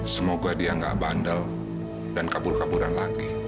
semoga dia gak bandel dan kabur kaburan lagi